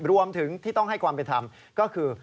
รวมถึงที่ต้องให้ความเป็นธรรมก็คือ